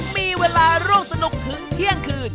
มีเวลาร่วมสนุกถึงเที่ยงคืน